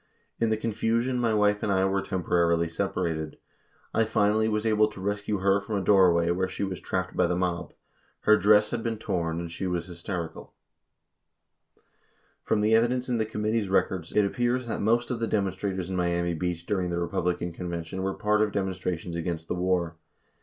In the confusion my wife and I were temporarily separated. I fin ally was able to rescue her from a doorway where she was trapped by the mob. Her dress had been torn and she was hysterical 25 F rom the evidence in the committee's records, it appears that most of the demonstrators in Miami Beach during the Republican Conven tion were part of demonstrations against the war.